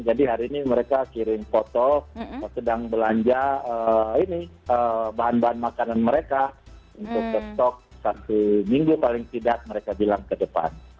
jadi hari ini mereka kirim foto sedang belanja ini bahan bahan makanan mereka untuk stok satu minggu paling tidak mereka bilang ke depan